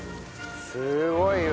すごいわ。